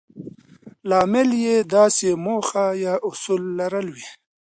لامل يې داسې موخه يا اصول لرل وي.